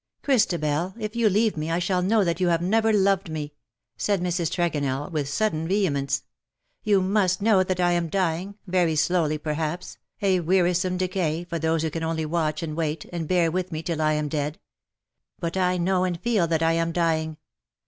^'" Christabel, if you leave me I shall know that you have never loved me,^' said Mrs. Tregonell, with sudden vehemence. " You must know that I am dying — very slowly, perhaps — a wearisome decay for those who can only watch and wait, and bear with me till I am dead. But I know and feel that I am dying.